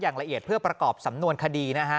อย่างละเอียดเพื่อประกอบสำนวนคดีนะฮะ